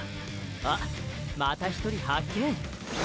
あっまた１人発見。